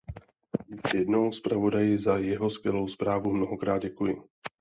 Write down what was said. Ještě jednou zpravodaji za jeho skvělou zprávu mnohokrát děkuji.